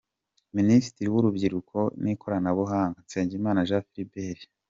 Minisitiri w’Urubyiruko n’Ikoranabuhanga : Nsengimana Jean Philbert